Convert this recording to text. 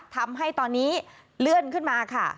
ทำให้ตอนนี้เลื่อนขึ้นมาค่ะ